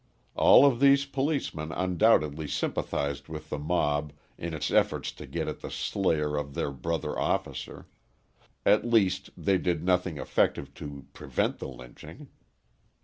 All of these policemen undoubtedly sympathised with the mob in its efforts to get at the slayer of their brother officer; at least, they did nothing effective to prevent the lynching.